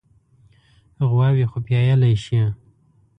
غواوې خو پيايلی شي.